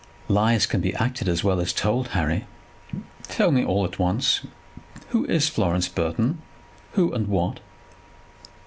"Lies can be acted as well as told. Harry, tell me all at once. Who is Florence Burton; who and what?"